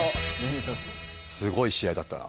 すごい試合だったな。